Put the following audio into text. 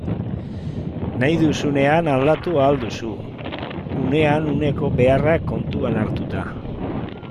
Nahi duzunean aldatu ahal duzu, unean uneko beharrak kontuan hartuta.